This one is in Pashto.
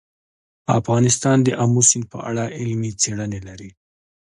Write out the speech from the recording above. افغانستان د آمو سیند په اړه علمي څېړنې لري.